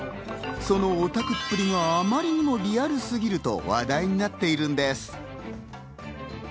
そのオタクっぷりがあまりにもリアルすぎると話題になっているんです。